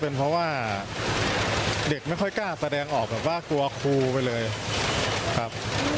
เป็นเพราะว่าเด็กไม่ค่อยกล้าแสดงออกแบบว่ากลัวครูไปเลยครับ